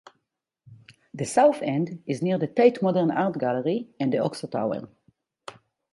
The south end is near the Tate Modern art gallery and the Oxo Tower.